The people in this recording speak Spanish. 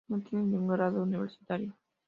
No tiene ningún grado universitario.